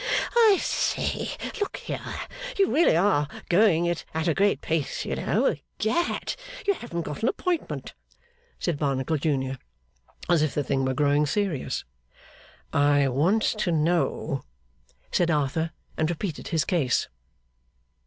'I say. Look here. You really are going it at a great pace, you know. Egad, you haven't got an appointment,' said Barnacle junior, as if the thing were growing serious. 'I want to know,' said Arthur, and repeated his case.